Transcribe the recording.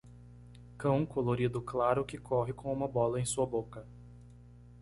Cão colorido claro que corre com uma bola em sua boca.